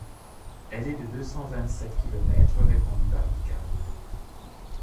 Elle est de deux cent vingt-sept kilomètres, répondit Barbicane.